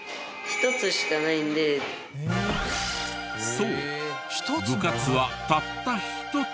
そう部活はたった１つ。